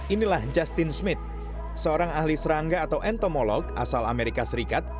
inilah justin smith seorang ahli serangga atau entomolog asal amerika serikat